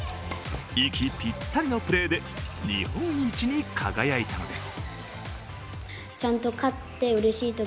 息ぴったりのプレーで日本一に輝いたのです。